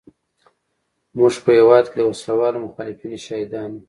موږ په هېواد کې د وسله والو مخالفینو شاهدان وو.